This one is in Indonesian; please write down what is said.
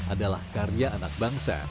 adalah karya anak bangsa